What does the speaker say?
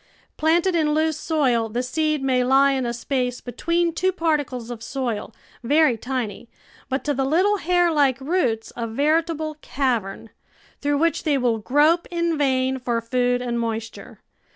Planted in loose soil, the seed may lie in a space between two particles of soil, very tiny, but to the little hair like roots a veritable cavern, through which they will grope in vain for food and moist ure.